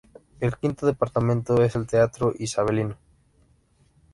El quinto departamento es el Teatro isabelino.